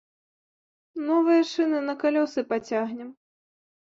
Новыя шыны на калёсы пацягнем!